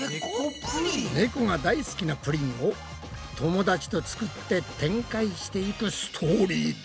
ねこが大好きなぷりんを友達と作って展開していくストーリーだ。